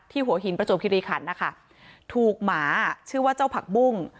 หัวหินประจวบคิริขันนะคะถูกหมาชื่อว่าเจ้าผักบุ้ง